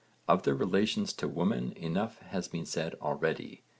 Of their relations to women enough has been said already.